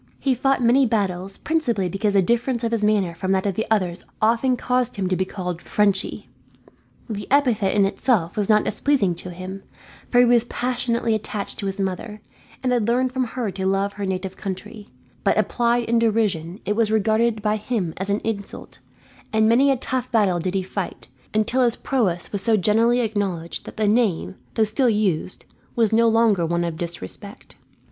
He fought many battles, principally because the difference of his manner from that of the others often caused him to be called "Frenchy." The epithet in itself was not displeasing to him; for he was passionately attached to his mother, and had learned from her to love her native country; but applied in derision it was regarded by him as an insult, and many a tough battle did he fight, until his prowess was so generally acknowledged that the name, though still used, was no longer one of disrespect.